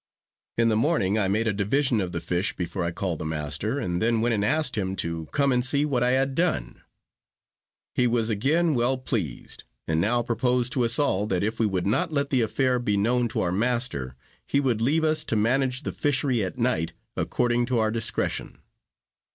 In the morning I made a division of the fish before I called the master, and then went and asked him to come and see what I had done. He was again well pleased, and now proposed to us all that if we would not let the affair be known to our master, he would leave us to manage the fishery at night according to our discretion.